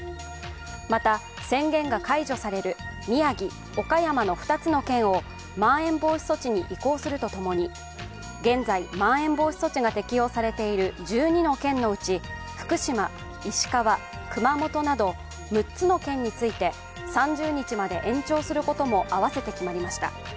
また、宣言が解除される宮城、岡山の２つの県をまん延防止措置に移行すると共に現在、まん延防止措置が適用されている１２の県のうち福島、石川、熊本など６つの県について３０日まで延長することも併せて決まりました。